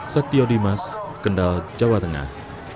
saktio dimas kendal jawa tengah